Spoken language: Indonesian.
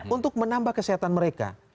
untuk menambah kesehatan mereka